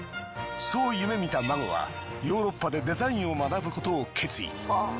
そう夢見たＭＡＧＯはヨーロッパでデザインを学ぶことを決意。